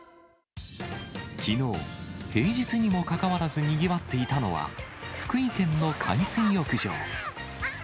きのう、平日にもかかわらずにぎわっていたのは、福井県の海水浴場。